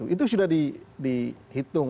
itu sudah dihitung